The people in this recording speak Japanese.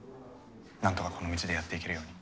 なんとかこの道でやっていけるように。